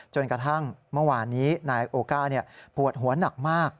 จนกระทั่งเมื่อวานนี้นายโอก้าปวดหัวหนักมาก